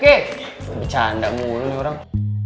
bercanda mulu nih orang